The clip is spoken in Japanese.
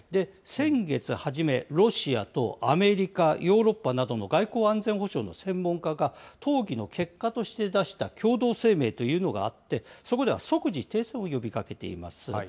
先月初め、ロシアとアメリカ、ヨーロッパなどの外交安全保障の専門家が、討議の結果として出した声明というのがありまして、そこでは即時停戦を呼びかけています。